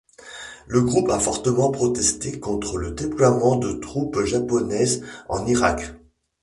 Le groupe a fortement protesté contre le déploiement de troupes japonaises en Irak.